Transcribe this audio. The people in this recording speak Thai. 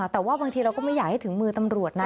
แต่ว่าบางทีเราก็ไม่อยากให้ถึงมือตำรวจนะ